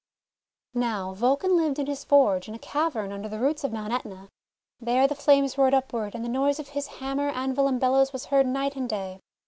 Now Vulcan lived in his forge in a cavern under the roots of Mount ^Etna. There the flames roared upward and the noise of his ham mer, anvil, and bellows was heard night and day.